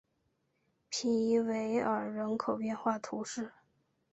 皮伊韦尔人口变化图示